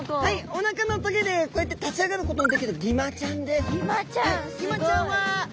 おなかのトゲでこうやって立ち上がることのできるギマちゃんです。